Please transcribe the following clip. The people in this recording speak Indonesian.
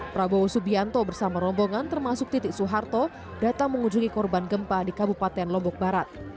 prabowo subianto bersama rombongan termasuk titik soeharto datang mengunjungi korban gempa di kabupaten lombok barat